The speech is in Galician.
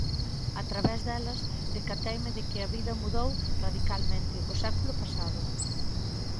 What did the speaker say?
A través delas decateime de que a vida mudou radicalmente o século pasado.